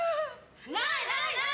ない、ない、ない！